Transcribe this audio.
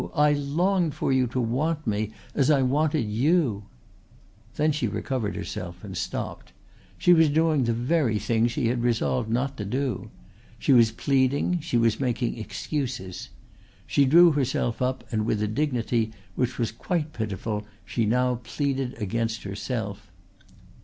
I longed for you to want me, as I wanted you." Then she recovered herself and stopped. She was doing the very thing she had resolved not to do. She was pleading, she was making excuses. She drew herself up and with a dignity which was quite pitiful she now pleaded against herself.